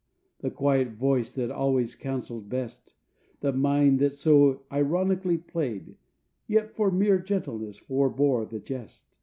The quiet voice that always counselled best, The mind that so ironically played Yet for mere gentleness forebore the jest.